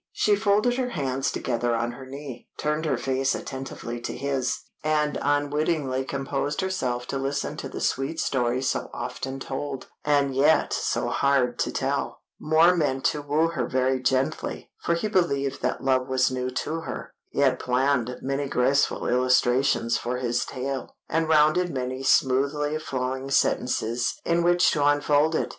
She folded her hands together on her knee, turned her face attentively to his, and unwittingly composed herself to listen to the sweet story so often told, and yet so hard to tell. Moor meant to woo her very gently, for he believed that love was new to her. He had planned many graceful illustrations for his tale, and rounded many smoothly flowing sentences in which to unfold it.